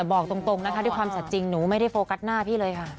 บอกตรงนะคะด้วยความสัดจริงหนูไม่ได้โฟกัสหน้าพี่เลยค่ะ